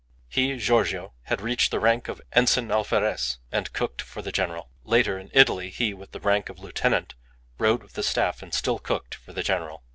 He, Giorgio, had reached the rank of ensign alferez and cooked for the general. Later, in Italy, he, with the rank of lieutenant, rode with the staff and still cooked for the general.